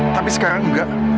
tapi sekarang enggak